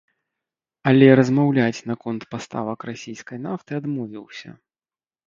Але размаўляць наконт паставак расійскай нафты адмовіўся.